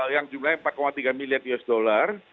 yang jumlahnya empat tiga miliar us dollar